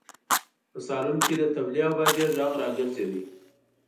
په سالون کې د تبلې او باجې غږ راګرځېده.